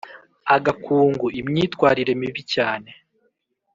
agakungu : imyitwarire mibi cyane